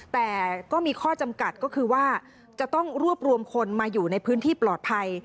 แต่ก็มีข้อจำกัดก็คือว่าจะต้องรวบรวมคนมาอยู่ในพื้นที่ปลอดภัย